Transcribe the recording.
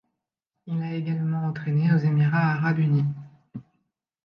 Il a également entrainé aux Émirats arabes unis.